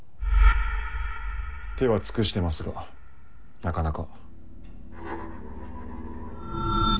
手は尽くしてますがなかなか。